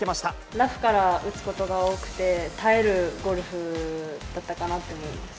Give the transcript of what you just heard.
ラフから打つことが多くて、耐えるゴルフだったかなと思います。